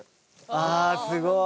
ああすごい。